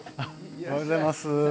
おはようございます。